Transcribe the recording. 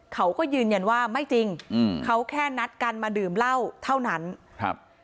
เขาก็ยืนยันว่าไม่จริงอืมเขาแค่นัดกันมาดื่มเหล้าเท่านั้นครับ